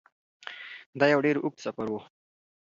دا یو ډیر اوږد سفر و.